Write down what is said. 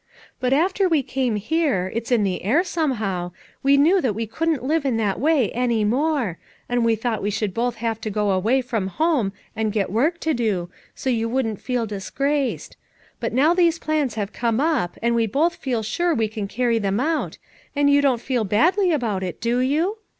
But after we came here, it's in the air, somehow, we knew that we couldn't live in that way any more, and we thought we should both have to go away from home and get work to do, so you wouldn't feel disgraced; but now these plans have come up, and we both feel sure we can carry them out, and you don't feel badly about 31S FOUR MOTHERS AT CHAUTAUQUA it, do you?